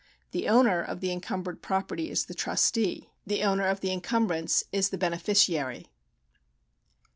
The owner of the encumbered property is the trustee ; the owner of the encumbrance is the beneficiary.